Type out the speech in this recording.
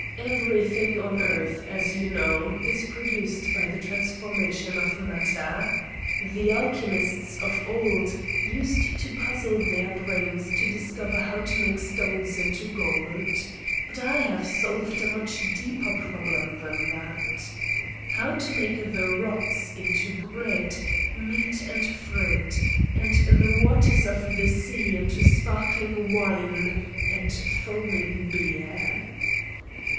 "Everything on earth, as you know, is produced by the transformation of matter. The alchemists of old used to puzzle their brains to discover how to make stones into gold. But I have solved a much deeper problem than that how to make the rocks into bread, meat and fruit, and the waters of the sea into sparkling wine and foaming beer."